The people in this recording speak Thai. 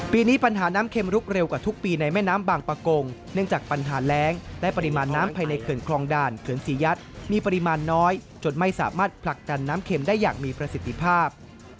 ปีนี้ปัญหาน้ำเข็มลุกเร็วกว่าทุกปีในแม่น้ำบางประกงเนื่องจากปัญหาแรงและปริมาณน้ำภายในเขื่อนคลองด่านเขื่อนศรียัตน์มีปริมาณน้อยจนไม่สามารถผลักดันน้ำเข็มได้อย่างมีประสิทธิภาพ